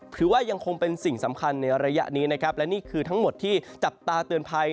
ถือว่ายังคงเป็นสิ่งสำคัญในระยะนี้นะครับและนี่คือทั้งหมดที่จับตาเตือนภัย